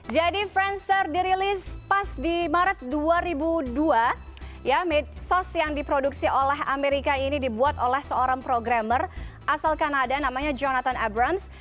jadi friendster dirilis pas di maret dua ribu dua medsos yang diproduksi oleh amerika ini dibuat oleh seorang programmer asal kanada namanya jonathan abrams